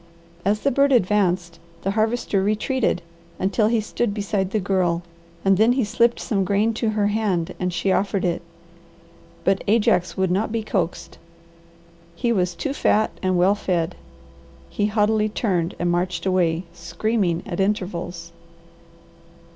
As the bird advanced, the Harvester retreated, until he stood beside the Girl, and then he slipped some grain to her hand and she offered it. But Ajax would not be coaxed. He was too fat and well fed. He haughtily turned and marched away, screaming at intervals.